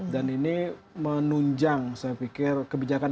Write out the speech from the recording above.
dan ini menunjang saya pikir kebijaksanaan